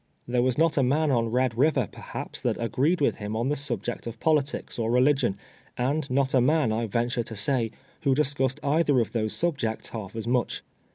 There was not a man on Red Tiiver, perhaps, tluit agreed with him on the subject of poli tics or religion, and not a man, I venture to say, who discussed either of those subjects half as much.